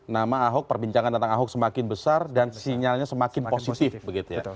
nama ahok perbincangan tentang ahok semakin besar dan sinyalnya semakin positif begitu ya